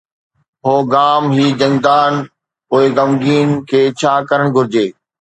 هو غام هي جنگداز، پوءِ غمگين کي ڇا ڪرڻ گهرجي؟